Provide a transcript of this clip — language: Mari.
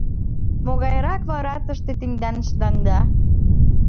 — Могайрак вара тыште тендан шыдаҥда?